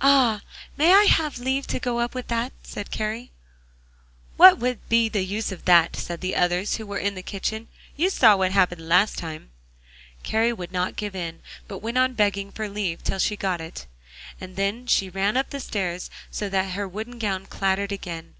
'Ah! may I have leave to go up with that?' said Kari. 'What would be the use of that?' said the others who were in the kitchen; 'you saw what happened last time.' Kari would not give in, but went on begging for leave till she got it, and then she ran up the stairs so that her wooden gown clattered again.